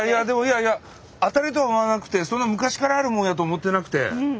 当たるとは思わなくてそんな昔からあるもんやと思ってなくて。